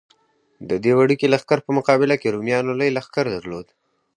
د دې وړوکي لښکر په مقابل کې رومیانو لوی لښکر درلود.